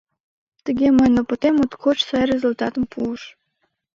Тыге мыйын опытем моткоч сай результатым пуыш.